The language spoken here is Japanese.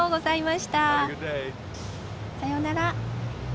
さよなら。